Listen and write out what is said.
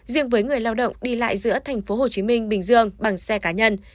riêng với người lao động đi lại giữa tp hcm bình dương bằng xe cá nhân